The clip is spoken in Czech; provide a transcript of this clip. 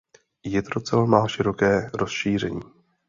Jitrocel má široké rozšíření.